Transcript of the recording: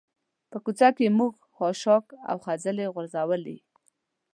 په کوڅه کې موږ خاشاک او خځلې غورځولي.